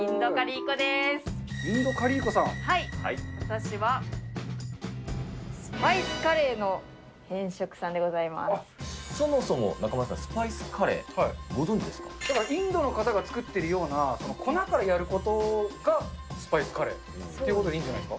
私はスパイスカレーのそもそも、中丸さん、スパイスカレー、インドの方が作っているような、粉からやることがスパイスカレーということでいいんじゃないです